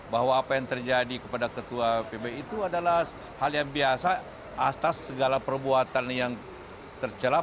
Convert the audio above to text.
bahwa apa yang terjadi kepada ketua pb itu adalah hal yang biasa atas segala perbuatan yang tercelah